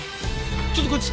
ちょっとこっち。